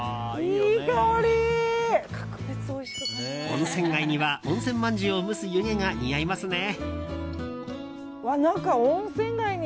温泉街には温泉まんじゅうを蒸す湯気が、似合いますね。